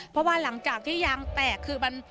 เพราะว่าหลังจากที่ยางแตกคือมัน